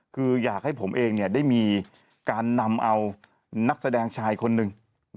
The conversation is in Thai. คืออยากให้ผมเองได้มีการนำเอานักแสดงชายคนหนึ่ง